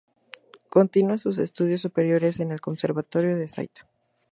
Continúa sus estudios superiores en el Conservatorio de St.